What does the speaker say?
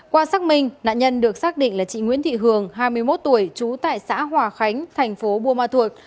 qua xác minh nạn nhân được xác định là chị nguyễn thị hường hai mươi một tuổi trú tại xã hòa khánh tp bumathuot